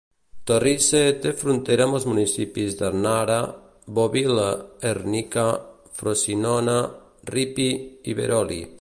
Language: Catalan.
Torrice té frontera amb els municipis d'Arnara, Boville Ernica, Frosinone, Ripi i Veroli.